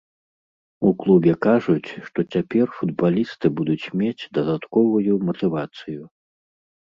У клубе кажуць, што цяпер футбалісты будуць мець дадатковую матывацыю.